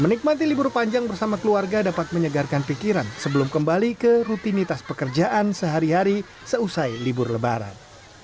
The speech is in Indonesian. menikmati libur panjang bersama keluarga dapat menyegarkan pikiran sebelum kembali ke rutinitas pekerjaan sehari hari seusai libur lebaran